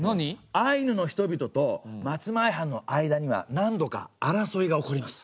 アイヌの人々と松前藩の間には何度か争いが起こります。